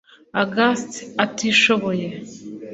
Aghast atishoboye